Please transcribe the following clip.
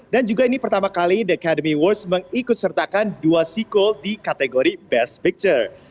dan juga ini pertama kali the academy awards mengikut sertakan dua sequel di kategori best picture